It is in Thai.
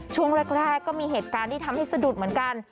ช่วงแรกก็มีเหตุการณ์ที่ทำให้สะดุดเหมือนกัน